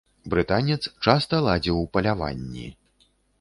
Брытанец часта ладзіў паляванні.